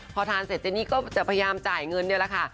พอทานเสร็จเจนี่ก็จะพยายามจ่ายเงินนี่แหละค่ะ